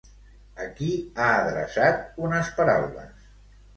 A qui ha adreçat unes paraules?